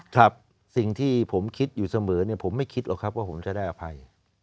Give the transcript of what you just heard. ครับสิ่งที่ผมคิดอยู่เสมอเนี่ยผมไม่คิดหรอกครับว่าผมจะได้อภัย